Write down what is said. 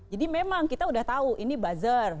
jadi memang kita udah tahu ini buzzer